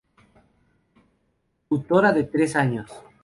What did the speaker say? Tutora de tres años.